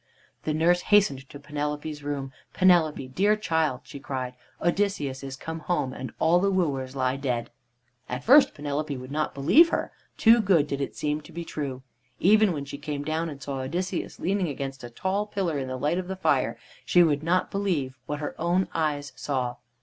The nurse hastened to Penelope's room. "Penelope, dear child!" she cried, "Odysseus is come home, and all the wooers lie dead." At first Penelope would not believe her. Too good did it seem to be true. Even when she came down and saw Odysseus leaning against a tall pillar in the light of the fire, she would not believe what her own eyes saw.